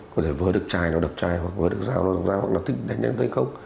có thể vơi đực chai nó đập chai hoặc vơi đực rào nó đập rào hoặc là thích đánh đánh đánh không